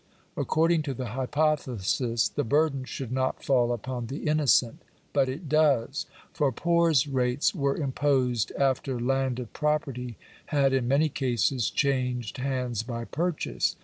According to the hypothesis the burden should not fall upon the innocent. But it does; for poors' rates were imposed after landed property had in many cases changed hands by purchase.